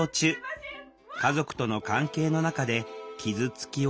家族との関係の中で傷つきを経験した。